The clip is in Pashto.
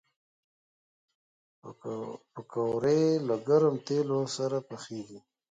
پکورې له ګرم تیلو سره پخېږي